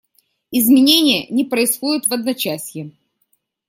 Изменения не происходят в одночасье.